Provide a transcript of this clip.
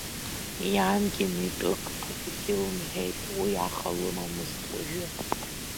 Иангьы митәык акгьы лымҳәеит, уи аха лымамызт уажәы…